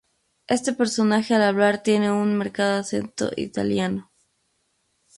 Este personaje al hablar tiene un marcado acento italiano.